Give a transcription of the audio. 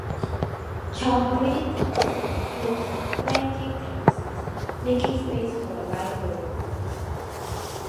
Chalgrin also enclosed the flanking terraces, making space for a library.